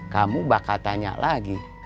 kamu bakal tanya lagi